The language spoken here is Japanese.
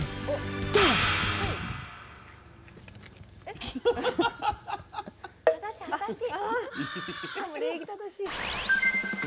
でも礼儀正しい。